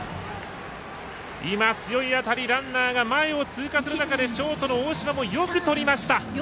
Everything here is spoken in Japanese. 今、強い当たりランナーが前を通過する中でショートの大島もよくとりました。